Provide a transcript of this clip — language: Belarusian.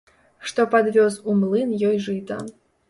Што падвёз у млын ёй жыта.